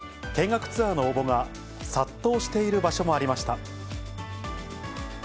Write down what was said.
今しか見られない光景に、見学ツアーの応募が殺到している場所もありました。